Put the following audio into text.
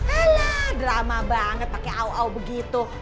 elah drama banget pake au au begitu